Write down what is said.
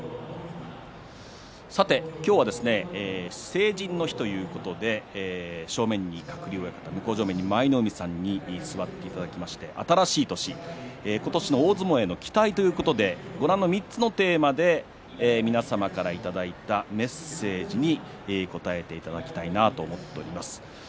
さて今日は成人の日ということで正面に鶴竜親方向正面に舞の海さんに座っていただきまして新しい年、今年の大相撲への期待ということでご覧の３つのテーマで皆様からいただいたメッセージに答えていただきたいなと思っております。